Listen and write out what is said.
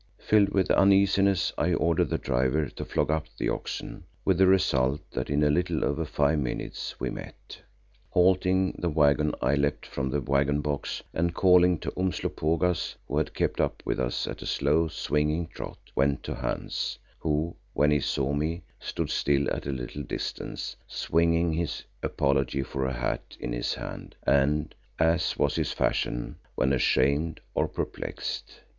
Filled with uneasiness, I ordered the driver to flog up the oxen, with the result that in a little over five minutes we met. Halting the waggon, I leapt from the waggon box and calling to Umslopogaas who had kept up with us at a slow, swinging trot, went to Hans, who, when he saw me, stood still at a little distance, swinging his apology for a hat in his hand, as was his fashion when ashamed or perplexed.